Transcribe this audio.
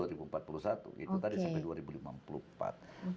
itu tadi sampai dua ribu lima puluh empat